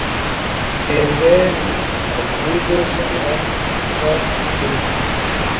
بېنډۍ د وریژو سره ښه خوري